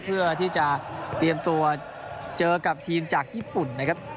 เพื่อที่จะเตรียมตัวเจอกับทีมจากญี่ปุ่นนะครับ